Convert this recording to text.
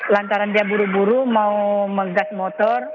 lantaran dia buru buru mau menggas motor